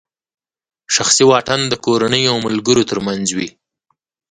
شخصي واټن د کورنۍ او ملګرو ترمنځ وي.